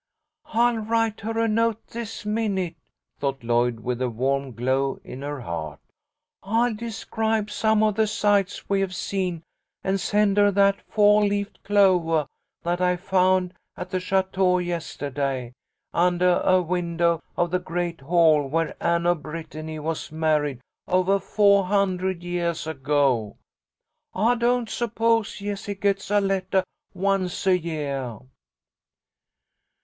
"I'll write her a note this minute," thought Lloyd, with a warm glow in her heart. "I'll describe some of the sights we have seen, and send her that fo' leafed clovah that I found at the château yestahday, undah a window of the great hall where Anne of Brittany was married ovah fo' hundred yeahs ago. I don't suppose Jessie gets a lettah once a yeah."